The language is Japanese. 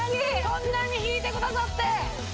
そんなに引いてくださって！